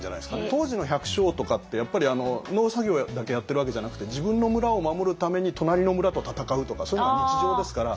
当時の百姓とかってやっぱり農作業だけやってるわけじゃなくて自分の村を守るために隣の村と戦うとかそういうのが日常ですから。